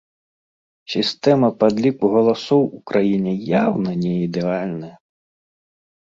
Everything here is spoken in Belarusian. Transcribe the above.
Сістэма падліку галасоў у краіне яўна не ідэальная.